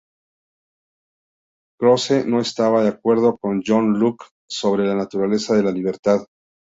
Croce no estaba de acuerdo con John Locke sobre la naturaleza de la libertad.